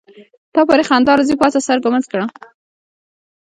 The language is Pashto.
تا پوری خندا راځي پاڅه سر ګمنځ کړه.